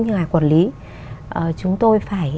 nhà quản lý chúng tôi phải